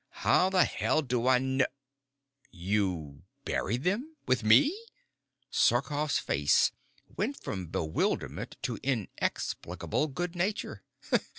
"How the hell do I kn You buried them with me?" Sarkoff's face went from bewilderment to inexplicable good nature.